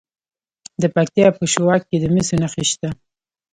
د پکتیا په شواک کې د مسو نښې شته.